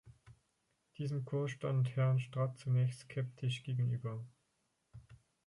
Diesem Kurs stand Herrnstadt zunächst skeptisch gegenüber.